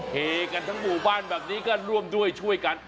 เฮกันทั้งหมู่บ้านแบบนี้ก็ร่วมด้วยช่วยกัน